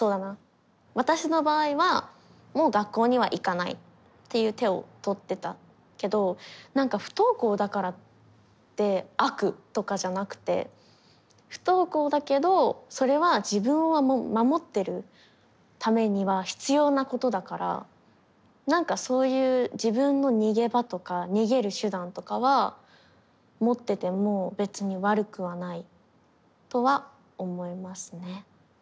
私の場合はもう学校には行かないっていう手を取ってたけどなんか不登校だからって悪とかじゃなくて不登校だけどそれは自分を守ってるためには必要なことだからなんかそういう自分の逃げ場とか逃げる手段とかは持ってても別に悪くはないとは思いますね。